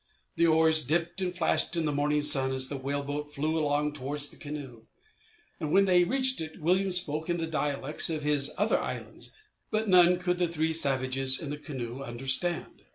The oars dipped and flashed in the morning sun as the whale boat flew along towards the canoe. When they reached it, Williams spoke in the dialects of his other islands, but none could the three savages in the canoe understand.